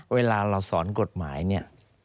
เวลาเราสอนกฎหมายเนี่ย